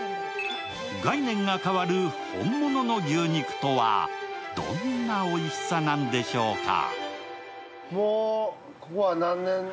概念が変わる本物の牛肉とはどんなおいしさなんでしょうか？